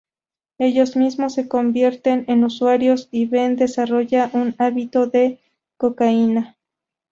Ellos mismos se convierten en usuarios, y Ben desarrolla un hábito de cocaína.